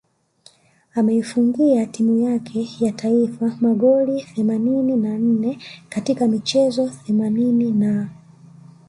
Ameifungia timu yake ya taifa magoli themanini na nne katika michezo themanini na